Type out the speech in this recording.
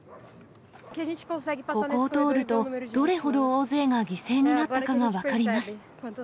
ここを通ると、どれほど大勢が犠牲になったかが分かります。